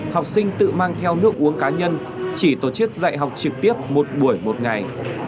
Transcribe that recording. học sinh tự mang theo nước uống cá nhân chỉ tổ chức dạy học trực tiếp một buổi một ngày